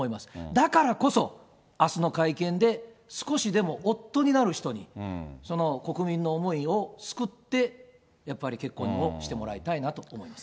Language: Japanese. だからこそ、あすの会見で少しでも、夫になる人に、国民の思いをすくって、やっぱり結婚をしてもらいたいなと思います。